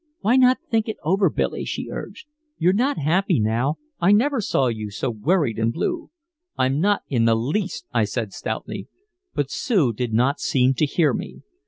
"Why not think it over, Billy?" she urged. "You're not happy now, I never saw you so worried and blue." "I'm not in the least!" I said stoutly. But Sue did not seem to hear me.